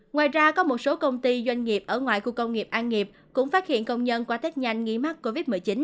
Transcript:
ngoài ra có một số công ty doanh nghiệp ở ngoài khu công nghiệp an nghiệp cũng phát hiện công nhân qua tết nhanh nghi mắc covid một mươi chín